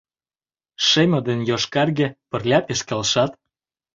Шеме ден йошкарге пырля пеш келшат.